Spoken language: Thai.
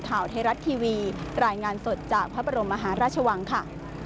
ข่าวไทยรัฐทีวีรายงานสดจากพระบรมมหาราชวังค่ะ